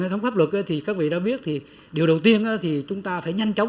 hệ thống pháp luật thì các vị đã biết thì điều đầu tiên thì chúng ta phải nhanh chóng